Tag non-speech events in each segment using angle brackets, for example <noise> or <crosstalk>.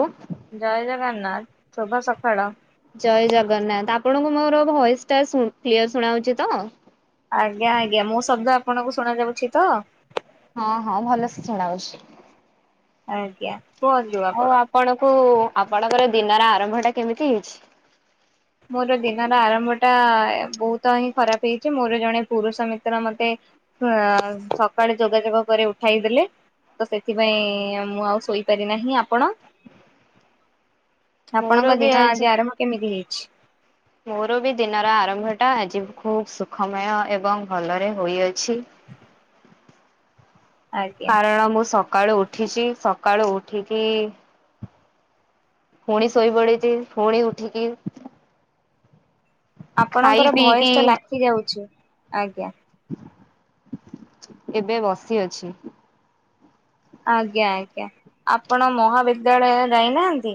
ହ। ଜୟ ଜଗନ୍ନାଥ ସୁଭ ସକାଳ। ଜୟ ଜଗନ୍ନାଥ ଆପଣଙ୍କୁ ମୋର ଭଏସ ଟା କିଲ୍ୟର ଶୁଣାଉଛି ତ? ଆଜ୍ଞା ଆଜ୍ଞା ମୋ ଶବ୍ଦ ଆପଣଙ୍କୁ ଶୁଣା ଯାଉଛି ତ? ହଁ ହଁ ଭଲସେ ଚଛିଣା ଅଛି। ଆଜ୍ଞା। କୁହନ୍ତୁ ହଉ ଆପଣ। ଆପଣଙ୍କୁ ଆପଣଙ୍କର ଦିନର ଆରମ୍ଭ ଟା କେମିତି ହେଇଛି। ମୋର ଦିନର ଆରମ୍ଭଟା ବହୁତ ହିଁ ଖରାପ ହେଇଛି ମୋର ଜଣେ ପୁରୁଷ ମିତ୍ର ମୋତେ ଅ ସକାଳେ ଯୋଗାଯୋଗ କରି ଉଠାଇ ଦେେଲେ। ତ ସେଥିପାଇଁ ମୁଁ ଆଉ ଶୋଇପାରି ନାହିଁ ଆପଣ? ମୋର ଆପଣଙ୍କ ବି ଦିନ ଆଜି ଆରମ୍ଭ କେମିତି ହେଇଛି। ମୋର ବି ଦିନର ଆରମ୍ଭଟା ଆଜି ଖୁବ ସୁଖମୟ ଏବଂ ଭଲରେ ହୋଇଅଛି। ଆଜ୍ଞା କାରଣ ମୁଁ ସକାଳୁ ଉଠିଛି ସକାଳୁ ଉଠିକି ପୁଣି ସୋଇ ବଡ଼ିିଛି ପୁଣ ଉଠିିକି? ଆପଣଙ୍କର ଭୟସ ଟା ଲାଖି ଯାଉଛି ଆଜ୍ଞା। ଏବେ ବସି ଅଛି। ଆଜ୍ଞା ଆଜ୍ଞା ଆପଣ ମହାବିଦ୍ୟାଳୟ ନେଇନାହାନ୍ତି?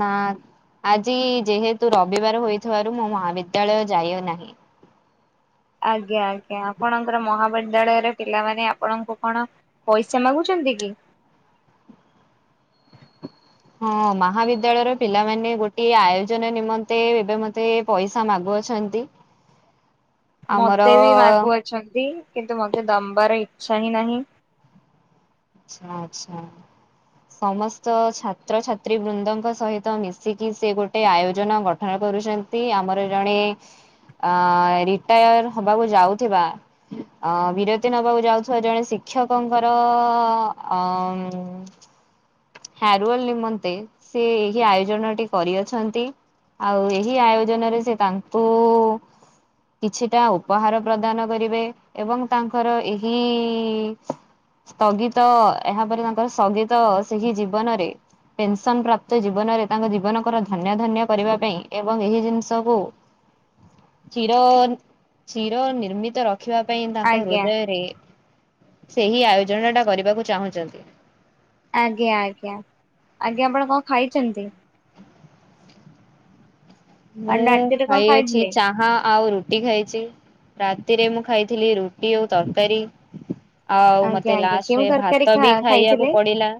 ନାଁ। ଆଜି ଯେହେତୁ ରବିବାର ହୋଇଥିବାରୁ ମୁଁ ମହାବିଦ୍ୟାଳୟ ଯାଇଅ ନାହିଁ। ଆଜ୍ଞା ଆଜ୍ଞା ଆପଣଙ୍କର ମହାବିଦ୍ୟାଳୟରେ ପିଲାମାନେ ଆପଣଙ୍କୁ କଣ ପଇସା ମାଗୁଛନ୍ତି? ଦିଗୀ <inaudible> ହଁ ମହାବିଦ୍ୟାଳୟର ପିଲାମାନେ ଗୋଟିଏ ଆୟୋଜନ ନିମନ୍ତେ ଏବେ ମତେ ପଇସା ମାଗୁ ଵଛନ୍ତି। ମତେ ବି ମାଗୁ ଅଛନ୍ତି। କିନ୍ତୁ ମତେ ଦମ୍ବାର ଇଚ୍ଛା ହିଁ ନାହିଁ। ଆଚ୍ଛା ଆଚ୍ଛା। ସମସ୍ତ ଛାତ୍ରଛାତ୍ରୀ ବୃନ୍ଦଙ୍କ ସହିତ ମିଶିକି ସେ ଗୋଟେ ଆୟୋଜନ ଗଠନର କରୁଛନ୍ତି ଆମର ଜଣେ ଅ ରିଟାୟାର ହବାକୁ ଯାଉଥିବା ଅ ବିରତି ନବାକୁ ଯାଉଥିବା ଜଣେ ଶି କ୍ଷକଙ୍କର ଅଂ ମ୍ ମ୍ ଫ୍ୟାରୋଏଲ୍ ନିମନ୍ତେ ସେ ଏହି ଆୟୋଜନଟି କରିଅଛନ୍ତି। ଆଉ ଏହି ଆୟୋଜନରେ ସେ ତାଙ୍କୁ କିଛିଟା ଉପହାର ପ୍ରଦାନ କରିବେ ଏବଂ ତାଙ୍କର ଏହି ଇଁ ଇଁ ସ୍ଥଗିତ ଏହାପରେ ତାଙ୍କର ସଗିତ ସେହି ଜୀବନରେ ପେନସନ ପ୍ରାପ୍ତ ଜୀବନରେ ତାଙ୍କ ଜୀବନଙ୍କର ଧନ୍ୟ ଧନ୍ୟ କରିବା ପାଇଁ ଏବଂ ଏହି ଜିନିଷକୁ ଚିର ଚିର ନିର୍ମିତ ର ଖିବା ପାଇଁ ତାଙ୍କ ଆଜ୍ଞା ହୃଦୟରେ ସେହି ଆୟୋଜନ ଟା କରିବାକୁ ଚାହୁଁଚନ୍ତି। ଆଜ୍ଞା ଆଜ୍ଞା ଆଜ୍ଞା ଆପଣ କ ଣ ଖାଇଛନ୍ତି? <inaudible> ମୁଁ କାଲି ରାତିରେ କଣ ଖାଇଅଛି ଖାଇଥିଲେ? ଚାହା ଆଉ ରୁଟି ଖାଇଛି। ରାତିରେ ମୁଁ ଖାଇଥିଲି ରୁଟି ଓ ତକାରି। ଆଉ ଆଜ୍ଞା ମତେ ଆଜ୍ଞା କେଉଁ ଲାଷ୍ଟରେ ତରକାରୀ ଭାତ ଖା ବି ଖାଇଆକୁ ଖାଇଥିଲେ ପଡିଲା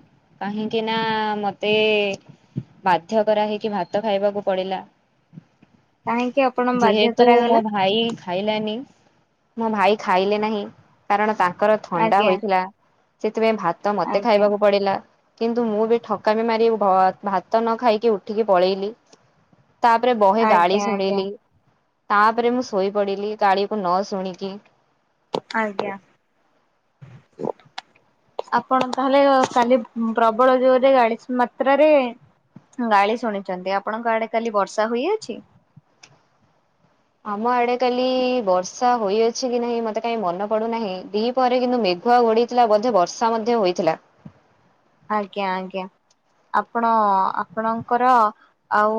କାହିଁକି ନା ମତେ ବାଧ୍ୟ କରା ହେଇକି ଭାତ ଖାଇବାକୁ ପଡିଲା। କାହିଁକି ଆପଣ ବାଧ୍ୟ ଯେହେତୁ ମୋ କରାଗଲା? ଭାଇ ଖାଇଲାନି ମୋ ଭାଇ ଖାଇଲେ ନାହିଁ କାରଣ ତାଙ୍କର ଥଣ୍ଡା ଆଜ୍ଞା ହୋଇଥିଲା। ଥିପାଇଁ ଭାତ ମତେ ଆଜ୍ଞା ଖାଇବାକୁ ପଡିଲା। କିନ୍ତୁ ମୁଁ ବି ଠକାମି ମାରି ଭ-ଭାତ ନ ଖାଇକି ଉଠିକି ପଳେଇଲି। ପରେ ବହେ ଗାଳି ଆଜ୍ଞା ଆଜ୍ଞା ସୁଣିଲି। ତାପରେ ମୁଁ ଶୋଇପଡିଲି ଗାଳିକୁ ନ ଶୁଣିକି। ଆଜ୍ଞା। <inaudible> <inaudible> ଆପଣ ତାହେଲେ କାଲି ପ୍ରବଳ ଜୋରରେ ଗାଳିସ୍‌ ମାତ୍ରାରେ ଗାଳି ଶୁଣିଛନ୍ତି। ଆପଣଙ୍କ ଆଡେ କାଲି ବର୍ଷା ହୋଇଅଛି? <inaudible> ଆମ ଆଡେ କାଲି ବର୍ଷା ହୋଇଅଛି କି ନାହିଁ ମତେ କାହିଁ ମନେ ପଡୁନାହିଁ, ଦିପହରେ କିନ୍ତୁ ମେଘୁଆ ଗୋ ହୋଇଥିଲା ବୋଧେ ବର୍ଷା ମଧ୍ୟ ହୋଇଥିଲା। ଆଜ୍ଞା ଆଜ୍ଞା। ଆପଣ ଆପଣଙ୍କର ଆଉ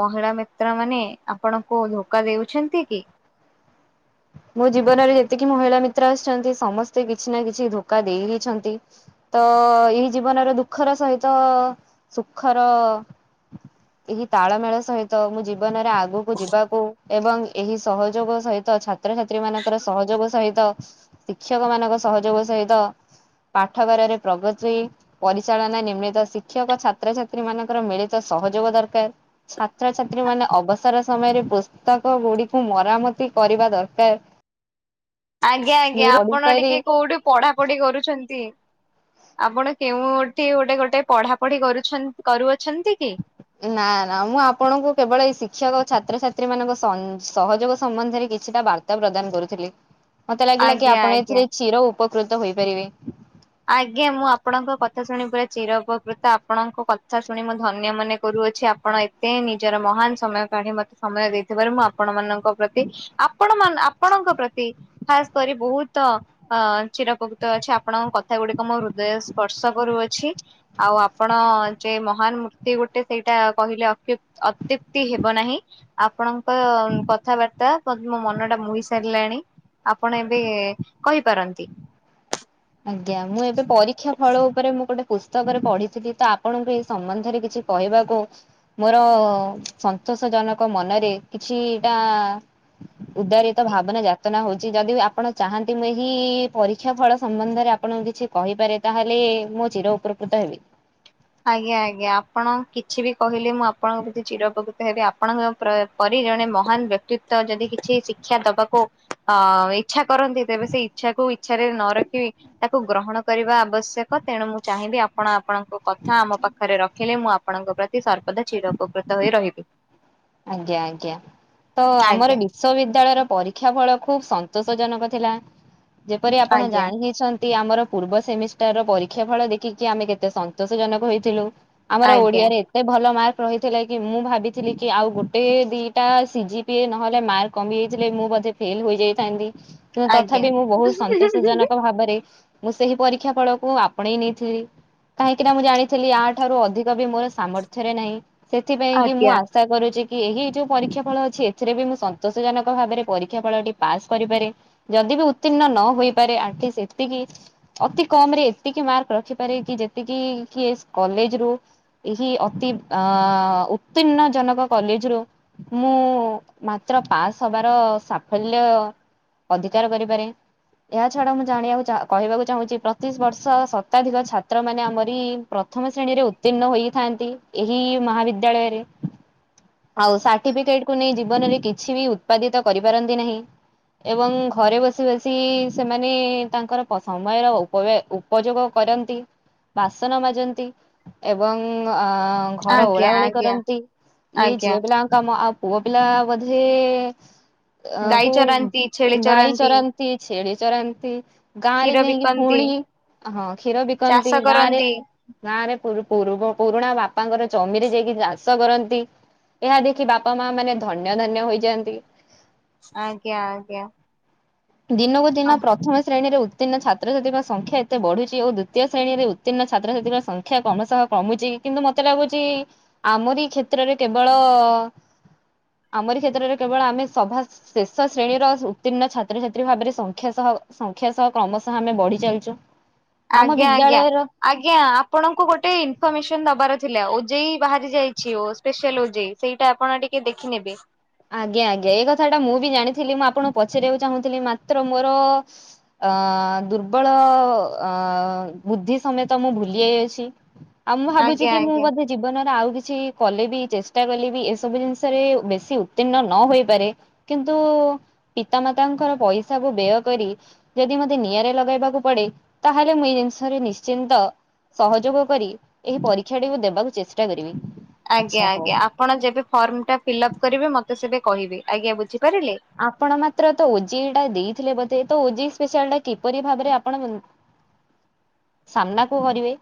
ମହିଳା ମିତ୍ର ମାନେ ଆପଣ ତାଙ୍କୁ ଧୋକା ଦେଉଛନ୍ତି କି? <inaudible> ମୋ ଜୀବନରେ ଯେତିକି ମହିଳା ମିତ୍ର ଆସିଛନ୍ତି ସମସ୍ତେ କିଛି ନା କିଛି ଧୋକା ଦେଇ ହିଁ ଛନ୍ତି। ତ ଏଇ ଜୀବନର ଦୁଃଖର ସହିତ ସୁଖର ଏହି ତାଳମେଳ ସହିତ ମୋ ଜୀବନରେ ଆଗକୁ ଯିବାକୁ ଏବଂ ଏହି ସହଯୋଗ ସହିତ ଛା ତ୍ରଛାତ୍ରୀ ମାନଙ୍କର ସହଯୋଗ ସହିତ, ଶିକ୍ଷକ ମାନଙ୍କ ସହଯୋଗ ସହିତ ପାଠା ଗାରାରେ ପ୍ରଗତି ପରିଚାଳନା ନିର୍ମିତ ଶିକ୍ଷକ ଛାତ୍ରଛାତ୍ରୀ ମାନଙ୍କର ମିଳିତ ସହଯୋଗ ଦରକାର ଛାତ୍ରଛାତ୍ରୀ ମାନେ ଅବସର ସମୟରେ ପୁସ୍ତକ ଗୁଡିକୁ ମରାମତି କରିବା ଦରକାର। ଆଜ୍ଞା ଆଜ୍ଞା ନିର ଆପଣ ଓଡିଶାରେ ଟିକେ କୋଉଠି ପଢାପଢି କରୁଛନ୍ତି? ଆପଣ କେଉଁଠି ଗୋଟେ ଗୋଟେ ପଢା ପଢି କରୁ-କରୁଅଛନ୍ତି କି? ନା ନା ମୁଁ ଆପଣଙ୍କୁ କେବଳ ଏଇ ଶିକ୍ଷକ ଛାତ୍ରଛାତ୍ରୀ ମାନଙ୍କ ସହଯୋଗ ସମ୍ବନ୍ଧରେ କିଛିଟା ବାର୍ତ୍ତା ପ୍ରଦାନ କରୁଥିଲି। ମତେ ଲାଗିଲା କି ଆଜ୍ଞା ଆପଣ ଆଜ୍ଞା। ଏଥିରେ ଚିର ଉପକୃତ ହେପାରିବେ। ଆଜ୍ଞା ମୁଁ ଆପଣଙ୍କ କଥା ଶୁଣି ପୁରା ଚିର ଉପକୃତ ଆପଣଙ୍କ କଥା ଶୁଣି ମୁଁ ଧନ୍ୟ ମନେ କରୁ ଅଛି ଆପଣ ଏତେ ନିଜର ମହାନ ସମୟ କାଢି ମତେ ସମୟ ଦେଇଥିବାରୁ ମୁଁ ଆପଣ ମାନଙ୍କୁ ଲୋଙ୍କ ପ୍ରତି ଆପଣ ମାନଙ୍କ ଆପଣଙ୍କ ପ୍ରତି ଖାସ୍ କରି ବହୁତ ଅ ଚିରପକୃତ ଅଛି ଆପଣଙ୍କ କ ଥା ଗୁଡିକ ମୋ ହୃଦୟ ସ୍ପର୍ଶ କରୁଅଛି ଆଉ ଆପଣ ଯେ ମହାନ ମୂର୍ତ୍ତି ଗୋଟେ ସେଇଟା କହିଲେ ଅତୁକ୍ତି ହେବ ନାହିଁ ଆପଣଙ୍କ କଥାବାର୍ତ୍ତା ମୋ ମନ ଟା ମୁହି ସାରିଲାଣି ଆପଣ ଏବେ କହିପାରନ୍ତି। ଆଜ୍ଞା ମୁଁ ଏବେ ପରୀକ୍ଷା ଫଳ ଉପରେ ମୁଁ ଗୋଟେ ପୁସ୍ତକରେ ପଢିଥିଲି ତ ଆପଣଙ୍କୁ ଏଇ ସମ୍ବନ୍ଧରେ କିଛି କହିବାକୁ ମୋର ବିଶସ ଜନକ ମନରେ କିଛିଟା ଉଦାରିତ ଭାବନା ଯାତନା ହଉଛି ଯଦି ଆପଣ ଚାହାନ୍ତି ମୁଁ ଏହି ପରୀକ୍ଷା ଫଳ ସମ୍ବନ୍ଧରେ ଆପଣଙ୍କୁ କିଛି କହିପାରେ ତାହେଲେ ମୋ ଚିର ଉପକୃତ ହେବି। ଆଜ୍ଞା ଆଜ୍ଞା ଆପଣ କିଛି ବି କହିଲେ ମୁଁ ଆପଣଙ୍କ ପ୍ରତି ଚିର ଉପକୃତ ହେବି ଆପଣଙ୍କ ଜଣେ ମହାନ ବ୍ୟକ୍ତିତଵ ଯଦି କିଛି ଶିକ୍ଷା ଦବାକୁ ଅ ଇଚ୍ଛା କରନ୍ତି ତେବେ ସେଇ ଇଚ୍ଛା ଇଚଛାରେ ନ ରଖି ତାକୁ ଗ୍ରହଣ କରିବା ଆବଶ୍ୟକ ତେଣୁ ମୁଁ ଚାହିଁବି ଆପଣ ଆପଣଙ୍କ କଥା କଥା ଆମ ପାଖରେ ରଖିଲେ ମୁଁ ଆପଣଙ୍କ ପ୍ରତି ସର୍ବଦା ଚିର ଉପକୃତ ହୋଇ ରହିବି। ଆଜ୍ଞା ଆଜ୍ଞା ତ ଆମର ଆଜ୍ଞା ବିଶ୍ ବିଦ୍ୟାଳୟର। ପରୀକ୍ଷା ଫଳ ଖୁବ ସନ୍ତୋଷ ଜନକ ଥିଲା ଯେପରି ଆପଣ ଆଜ୍ଞା ଜାଣି ହେଇଛନ୍ତି ଆମର ପୂର୍ବ ସେମିଷ୍ଟାର ର ପରୀକ୍ଷା ଫଳ ଦେଖିକି ଆମେ କେତେ ସନ୍ତୋଷ ଜନକ ହୋଇଥିଲୁ। ଆମର ଆଜ୍ଞା ଓଡିଆରେ ଏତେ ଭଲ ମାର୍କ ରହିଥିଲା କି ମୁଁ ଭାବିଥିଲି କି ଆଉ ଗୋଟେ ଦିଟା ସିଜିି ପି ନହେଲେ ମାର୍କ କମି ଯାଇଥିଲେ ମୁଁ ବୋଧେ ଫେଲ ହୋଇଯାଇଥାନ୍ତି। ଆଜ୍ଞା। ତଥାପି ମୁଁ ବହୁତ ସନ୍ତୋଷ ଜନକ ଭାବରେ ମୁଁ ସେହି ପରୀକ୍ଷା ଫଳକୁ ଆପଣେଇ ନେଇଥିଲି। କାହିଁକିନା ମୁଁ ଜାଣିଥିଲି ଆଠାରୁ ଅଧିକ ବି ମୋର ସାମର୍ଥ୍ୟରେ ନାହିଁ ସେଥିପାଇଁ କି ମୁଁ ଆଜ୍ଞା ଆସି ଏହି ଯୋଉ ପରୀକ୍ଷା ଫଳ ଅଛି ଏଥିରେ ବି ମୁଁ ସନ୍ତୋଷ ଜନକ ଭାବରେ ପରୀକ୍ଷା ଫଳଟି ପାସ କରିପାରେ। ଯଦି ବି ଉତ୍ତୀର୍ଣ୍ଣ ନ ହୋଇପାରେ ଆଠ ଏତିକି ଅତି କମ ରେ ଏତିକି ମାର୍କ ରଖିପାରେ କି? ଏତିକି କିଏସେ କଲେଜ ରୁଏହି ଅତି ଅ ଉତୀର୍ଣ। ଜନକ କଲେଜ ରୁ ମୁଁ ମାତ୍ର ପାସ୍ ହବାର ସାଫଲ୍ୟ। ଅଧିକାର କରିପାରେ। ଏହା ଛଡା ମୁଁ ଜାଣିବାକୁ କହିବାକୁ ଚାହୁଁଛି ପ୍ରତିଶ ବର୍ଷ ଶତାଧିକ ଛାତ୍ର ମାନେ ଆମରରି ପ୍ରଥମ ଶ୍ରେଣୀରେ ଉତ୍ତୀର୍ଣ୍ଣ ହୋଇଥାନ୍ତି ଏହି ମହାବିଦ୍ୟାଳୟରେ ଆଉ ସାର୍ଟିଫିକେଟ କ ନେଇ ଜୀବନରେ କିଛି ବି ଉତ୍ପାଦିତ କରିପାରନ୍ତି ନାହିଁ। ଏବଂ ଘରେ ବସି ବସି ସେମାନେ ତାଙ୍କର ସମୟର ଉପଯୋଗ। କରନ୍ତି ବାସନ ମାଜନ୍ତି ଏବଂ ହିଁ ଘର ଓଳା ଆଜ୍ଞା ଓଳି ଆଜ୍ଞା କରନ୍ତି ଇଏ ଆଜ୍ଞା। ଝିଅ ପିଲା କଙ୍କକାମ। ପୁଅ ପିଲା ବଧେ ଅ ଗାଈ ଚରାନ୍ତି, ଛେଳି କୋଉ ଗାଈ ଚରାନ୍ତି ଛେ କରନ୍ତି। ଗାଁ ରେ କ୍ଷୀର ଯାଇକି ବିକନ୍ତି, ପୁଣି ହଁ କ୍ଷୀର ଚାଷ ବିକନ୍ତି ଗାଁରେ କରନ୍ତି। ଗାଁ ରେ ପୁବ ପୁରୁଣା ବାପାଙ୍କର ଜମିରେ ଯାଇକି ଚାଷ କରନ୍ତି। ଏହା ଦେଖି ବାପା ମା ମାନେ ଧନ୍ୟ ଧନ୍ୟ ହୋଇଯାଆନ୍ତି। ଆଜ୍ଞା ଆଜ୍ଞା। ଦିନକୁ ଦିନ ପ୍ରଥମ ଶ୍ରେଣୀରେ ଉ। ଉତ୍ତୀର୍ଣ ଛାତ୍ରଛାତ୍ରୀଙ୍କ ସଂଖ୍ୟା ଏତେ ବଢୁଛି ଓ ଦ୍ୱିତୀୟ ଶ୍ରେଣୀରେ ଉତ୍ତୀର୍ଣ ଛାତ୍ରଛାତ୍ରୀଙ୍କ ସଂଖ୍ୟା କମ ସହଃ କମୁଛି। କିନ୍ତୁ ମତେ ଲାଗୁଛି ଆମରିଇ କ୍ଷେତ୍ରରେ କେବଳ। ଆମରି କ୍ଷେତ୍ରରେ କେବଳ ଆମେ ସଭା ଶେଷ ଶ୍ରେଣୀର ଉତ୍ତୀର୍ଣ୍ଣ ଛାତ ଛାତ୍ରଛାତ୍ରୀ ଭାବରେ ସଂଖ୍ୟା ସହ ସଂଖ୍ୟା ସହ କ୍ରମଶଃ ଆମେ ବଢି ଚାଲଛୁ। ଆଜ୍ଞା ଆଜ୍ଞା ଆଜ୍ଞା ଆପଣଙ୍କୁ ଗୋଟେ ଇନଫର୍ମେସନ ଦବାର ଥିଲା। ଓଜେଇ ବାହାରି ଯାଇଛି ଓ ସ୍ପେଶିଆଲ ଓଜେଇ ସେଇଟା ଆପଣ ଟିକେ ଦେଖିନେବେ। ଆଜ୍ଞା ଆଜ୍ଞା। ଏଇ କଥା ଟା ମୁଁ ବି ଜାଣିଥିଲି ମୁଁ ଆପଣଙ୍କୁ ପଚାରିବାକୁ ଚାହୁଁଥିଲି ମାତ୍ର ମୋର ଅ ଦୁର୍ବଳ ଅ ବୁଦ୍ଧି ସମେତ ମୁଁ ଭୁଲି ଯାଇଅଛି ଆଉ ମୁଁ ଭାବୁଛି ଆଜ୍ଞା କି ମୁଁ ଆଜ୍ଞା। ବୋଧେ ଜୀବନରେ ଆଉ କିଛି କଲେ ବି ଚେଷ୍ଟା କଲେ ବି ଏସବୁ ଜିନିଷରେ ବେଶୀ ଉ ଉତ୍ତୀର୍ଣ୍ଣ ନ ହୋଇପାରେ କିନ୍ତୁ ପିତାମାତାଙ୍କର ପଇସାକୁୁ ବ୍ୟୟ କରି ଯଦି ମତେ ନିଆଁରେ ଲଗେଇବାକୁ ପଡେ ତାହେଲେ ମୁଁ ଏଇ ଜିନିଷରେ ନିଶ୍ଚିନ୍ତ ସହଯୋଗ କରି ଏହି ପରୀକ୍ଷାଟିକୁ ଦେବାକୁ ଚେଷ୍ଟା କରିବି। ଆଚ୍ଛା ଆଜ୍ଞା ହଉ। ଆଜ୍ଞା। ଆପଣ ଯେବେ ଫର୍ମ ଟା ଫିଲଅପ କରିବେ ମତେ ସେବେ କହିବେ। ଆଜ୍ଞା ବୁଝି ଆପଣ ମାତ୍ର ତ ଓଜେଇଟା ଦେଇଥିଲେ ବୋ ଧେ ତ ଓଜେଇ ସ୍ପେଶିଆଲ ଟା କିପରି ଭାବରେ ଆପଣ ସାମ୍ନାକୁ ଭରିବେ?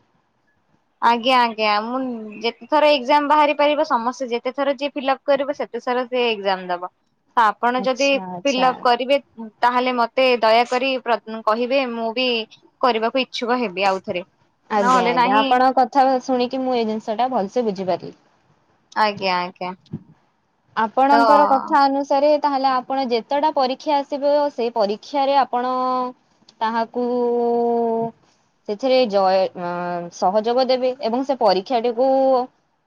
ଆଜ୍ଞା ଆଜ୍ଞା। ମୁଁ ଯେତେ ଥର ଏକ୍ଜାମ ବାହାରି ପାରିବ ସମସ୍ତେ ଯେତେ ଥର ଯିଏ ଫିଲ୍ଅପ୍ କରିବ ସେତେ ସାରା ସିଏ ଏକ୍ଜାମ ଦବ। ତ ଆପଣ ଯଦି ଆଚ୍ଛା ଆଚ୍ଛା ଫିଲଅପ କରିବେ ତାହେଲେ ମତେ ଦୟାକରି ପ୍ର କହିବେ ମୁଁ ବି କରିବାକୁ ଇଚ୍ଛୁକ ହେବି ଆଉଥରେ। ଆଜ୍ଞା ନହେଲେ ଆଜ୍ଞା। ନାହିଁ ଆପଣଙ୍କ କଥା ଶୁଣିକି ମୁଁ ଏଇ ଜିନିଷ ଟା ଭଲସେ ବୁଝିପାରିଲି। ଆଜ୍ଞା ଆଜ୍ଞା ତ ଆପଣଙ୍କର କଥା ଅନୁସାରେ ତାହେଲେ ଆପଣ ଯେତେଟା ପରୀକ୍ଷା ଆସିବ, ସେଇ ପରୀକ୍ଷାରେ ଆପଣ ତାହାକୁ ସେଥିରେ ଜୟ ଉମ୍ ସହଯୋଗ ଦେବେ ଏବଂ ସେ ପରୀକ୍ଷାଟିକୁ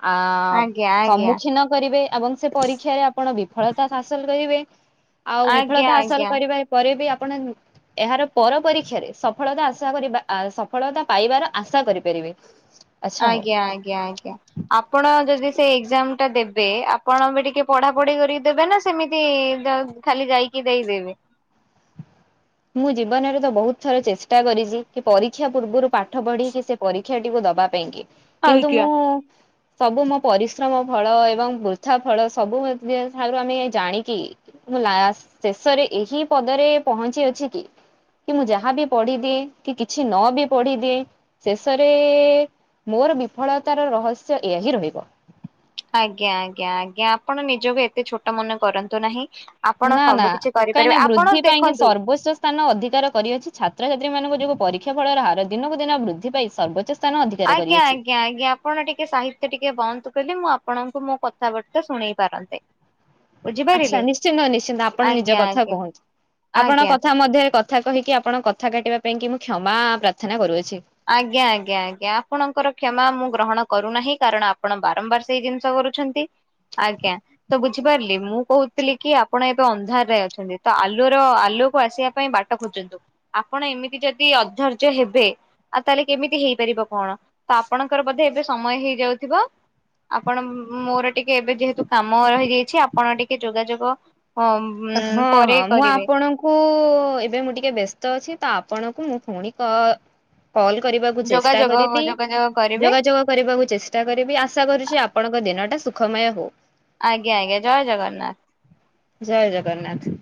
ଆ ଆଜ୍ଞା ଆଜ୍ଞା ସମ୍ମୁଖୀନ କରିବେ ଏବଂ ସେ ପରୀକ୍ଷାରେ ଆପଣ ବି ବିଫଳତା ହାସଲ କରିବେ। ଆଉ ଆଜ୍ଞା ବିଫଳତା ହାସଲ ଆଜ୍ଞା କରିବା ପରେ ବି ଆପ ଆପଣ ଏହାର ପର ପରୀକ୍ଷାରେ ସଫଳତା ଆଶା କରିବା ସଫଳତା ପାଇବାର ଆଶା କରିପାରିବେ। <unintelligible> ହଉ। ଆଜ୍ଞା ଆଜ୍ଞା ଆଜ୍ଞା। ଆପଣ ଯଦି ସେ ଏକ୍ଜାମ ଟା ଦେବେ, ଆପଣ ବି ଟିକେ ପଢାପଢି କରିକି ଦେବେ ନା ସେମିତି ଖାଲି ଯାଇକି କି ଦେଇଦେବେ? ମୁଁ ଜୀବନରେ ତ ବହୁତ ଥର ଚେଷ୍ଟା କରିଛି, କି ପରୀକ୍ଷା ପୂର୍ବରୁ ପାଠ ପଢିକି ସେ ପରୀକ୍ଷାଟିକୁ ଦ ଦବା ପାଇଁକି। କିନ୍ତୁ ଆଜ୍ଞା। ମୁଁ ସବୁ ମୋ ପରିଶ୍ରମ ଫଳ ଏବଂ ବୃଥା ଫଳ ସବୁ <unintelligible> ଠାରୁ ଆମେ ଜାଣିକି ମୁଁ ଲାଷ୍ଟ ଶେଷରେ ଏହି ପଦରେ ପହଞ୍ଚି ଅଛି କି କି ମୁଁ ଯାହାବି ପଢିଦିଏ, କି କିଛି ନ ବି ପଢିଦିଏ ଶେଷରେ ମୋର ବିଫଳତାର ରହସ୍ୟ ଏହା ହିଁ ରହିବ। ଆଜ୍ଞା ଆଜ୍ଞା ଆଜ୍ଞା। ଆପଣ ନିଜକୁ ଏତେ ଛୋଟ ମନେ କରନ୍ତୁ ନାହିଁ ଆପଣ ନା ନା ସବୁ କିଛି କରିପାରିବେ କାଇଁନା ଆପଣ ବୃଦ୍ଧି ପାଇଁକି ଦେଖନ୍ତୁ ସର୍ବୋଚ୍ଚ ସ୍ଥାନ ଅଧିକାର କରିଅଛି, ଛାତ୍ରଛାତ୍ରୀ ମାନଙ୍କ ଯୋଗୁଁ ପରୀକ୍ଷା ଫଳର ହାର ଦିନକୁ ଦିନ ବୃଦ୍ଧି ପାଇ ସର୍ବୋଚ୍ଚ ସ୍ଥାନ ଅଧିକାର ଆଜ୍ଞା କରିଅଛି ଆଜ୍ଞା ଆଜ୍ଞା। ଆପଣ ଟିକେ ସାହିତ୍ୟ ଟିକେ ବନ୍ଦ କଲେ ମୁଁ ଆପ ପଣଙ୍କୁ ମୋ କଥାବାର୍ତ୍ତା ଶୁଣେଇ ପାରନ୍ତେ। ଆଚ୍ଛା ବୁଝିପାରିଲେ ନିଶ୍ଚିନ୍ତ ନିଶ୍ଚିନ୍ତ ଆପଣ ନିଜ ଆଜ୍ଞା କଥା ଆଜ୍ଞା କୁହନ୍ତୁ। ଆପଣଙ୍କ ଆଜ୍ଞା। କଥା ମଧ୍ୟରେ କଥା କହିକି ଆପଣଙ୍କ କଥା କାଟିବା ପାଇଁ କି ମୁଁ କ୍ଷମା ପ୍ରାର୍ଥନା କରୁଅଛି। ଆଜ୍ଞା ଆଜ୍ଞା ଆଜ୍ଞା। ଆପଣଙ୍କର କ୍ଷମା ମୁଁ ଗ୍ରହଣ କରୁନାହିଁ, କାରଣ ଆପଣ ବାରମ୍ବାର ସେଇ ଜିନିଷ କରୁଛନ୍ତି। ଆଜ୍ଞା। ତ ବୁଝିପାରିଲି ମୁଁ କହୁଥିଲି କି ଆପଣ ଏବେ ଅନ୍ଧାରରେ ଅଛନ୍ତି। ତ ଆଲୁର ର ଆଲୁ ଅକୁ ଆସିବା ପାଇଁ ବାଟ ଖୋଜନ୍ତୁ। ଆପଣ ଏମିତି ଯଦି ଅଧର୍ଯ୍ୟ ହେବେ ଆଉ ତାହେଲେ କେମିତି ହେଇପାରିବ କଣ? ତ ଆପଣଙ୍କର ବୋଧେ ଏବେ ସମୟ ହେଇଯାଉଥିବ ଆପଣ ମୋର ଟିକେ ଏବେ ଯେହେତୁ କାମ ରହିଯାଇଛି, ଆପଣ ଟିକେ ଯୋଗାଯୋଗ ହଁ ହଁ ପରେ ହଁ, ମୁଁ କରିବେ ଆପଣଙ୍କୁ ଏବେ ମୁଁ ଟିକେ ବ୍ୟସ୍ତ ଅଛି। ତ ଆପଣଙ୍କୁ ମୁଁ ପୁଣି କ-କଲ୍ କରିବାକୁ ଚେଷ୍ଟା ଯୋଗାଯୋଗ କରିବି। ଯୋଗାଯୋଗ କରିବେ ଯୋଗାଯୋଗ କରିବାକୁ ଚେଷ୍ଟା କରିବି। ଆଶା କରୁଛି ଆପଣଙ୍କ ଦିନ ଟା ସୁଖମୟ ହୋଉ। ଆଜ୍ଞା ଆଜ୍ଞା ଜୟ ଜଗନ୍ନାଥ। ଜୟ ଜଗନ୍ନାଥ।